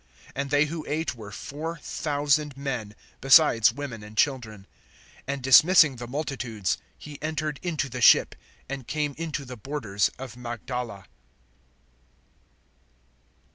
(38)And they who ate were four thousand men, besides women and children. (39)And dismissing the multitudes, he entered into the ship, and came into the borders of Magdala.